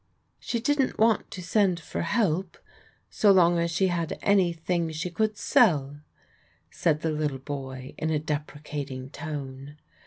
"She didn't want to send for help so long as she had any thing she could sell," said the little boy in a deprecating tone.